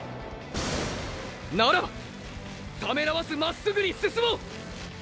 ならばためらわずまっすぐに進もう！！